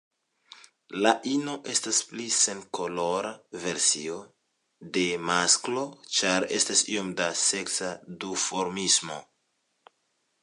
La ino estas pli senkolora versio de masklo, ĉar estas iom da seksa duformismo.